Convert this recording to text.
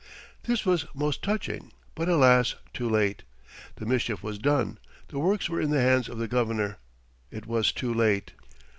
This was most touching, but, alas, too late. The mischief was done, the works were in the hands of the Governor; it was too late.